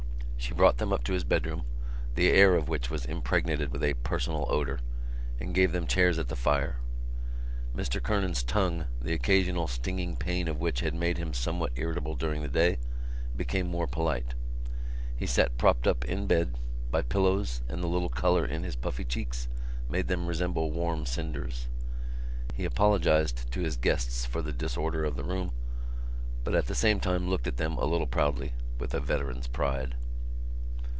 She brought them up to his bedroom, the air of which was impregnated with a personal odour, and gave them chairs at the fire. Mr Kernan's tongue, the occasional stinging pain of which had made him somewhat irritable during the day, became more polite. He sat propped up in the bed by pillows and the little colour in his puffy cheeks made them resemble warm cinders. He apologised to his guests for the disorder of the room, but at the same time looked at them a little proudly, with a veteran's pride.